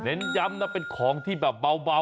เน้นย้ำนะเป็นของที่แบบเบา